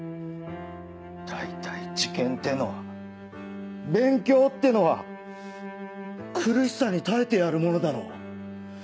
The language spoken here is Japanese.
大体受験ってのは勉強ってのは苦しさに耐えてやるものだろ。